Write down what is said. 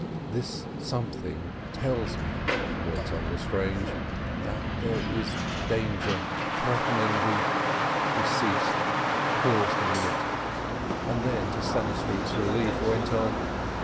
"This something tells me," went on Lestrange, "that there is danger threatening the—" He ceased, paused a minute, and then, to Stannistreet's relief, went on.